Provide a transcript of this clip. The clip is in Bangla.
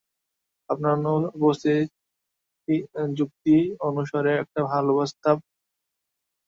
আপনার উপস্থাপিত যুক্তি অনুসারে এটা ভালো প্রস্তাব।